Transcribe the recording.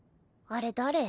あれ誰？